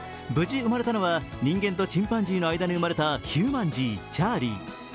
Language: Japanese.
無事、生まれたのは人間とチンバンジーの間に生まれたヒューマンジー、チャーリー。